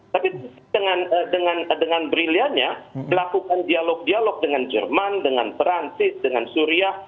tapi dengan brilliantnya melakukan dialog dialog dengan jerman dengan perancis dengan suriah